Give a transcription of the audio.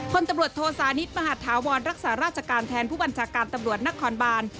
คนตำรวจโทสานิทมหาธาวรรักษาราชการแทนผู้บัญชาการตำรวจนครบาน